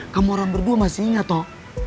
kamu orang berdua masih ingat tok